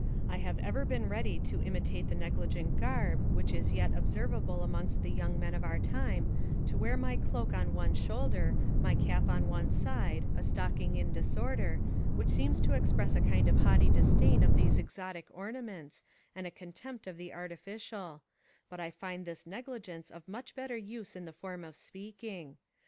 I have ever been ready to imitate the negligent garb, which is yet observable amongst the young men of our time, to wear my cloak on one shoulder, my cap on one side, a stocking in disorder, which seems to express a kind of haughty disdain of these exotic ornaments, and a contempt of the artificial; but I find this negligence of much better use in the form of speaking.